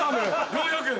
４００円。